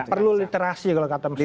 perlu literasi kalau kata presiden